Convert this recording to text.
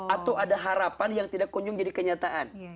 atau ada harapan yang tidak kunjung jadi kenyataan